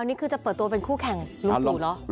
อันนี้คือจะเปิดตัวเป็นคู่แข่งรุ่นปู่หรอ